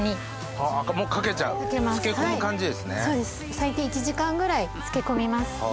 最低１時間ぐらい漬け込みます。